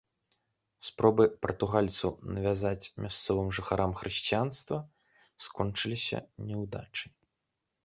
Спробы партугальцаў навязаць мясцовым жыхарам хрысціянства скончыліся няўдачай.